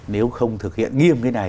nếu không thực hiện nghiêm cái này